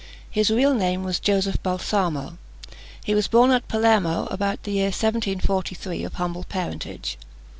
His real name was Joseph Balsamo. He was born at Palermo, about the year 1743, of humble parentage.